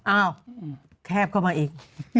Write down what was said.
อ้าวแคบเข้ามาอีก